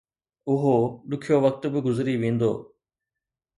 اهو ڏکيو وقت به گذري ويندو